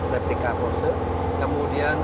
replika porsche kemudian